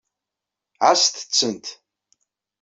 Ɛasset-tent.